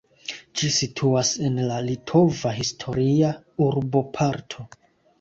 Ĝi situas en la litova historia urboparto.